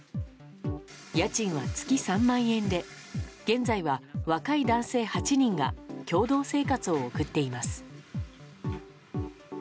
家賃は月３万円で現在は若い男性８人が共同生活を送っています。